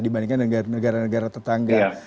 dibandingkan negara negara tetangga